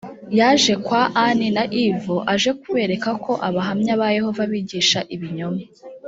yaje kwa ani na ivo aje kubereka ko abahamya ba yehova bigisha ibinyoma